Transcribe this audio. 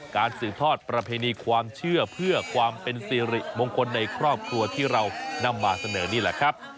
สืบทอดประเพณีความเชื่อเพื่อความเป็นสิริมงคลในครอบครัวที่เรานำมาเสนอนี่แหละครับ